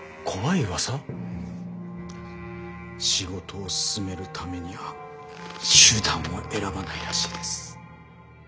仕事を進めるためには手段を選ばないらしいです。